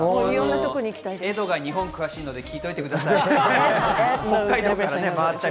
エドが日本に詳しいので聞いておいてください。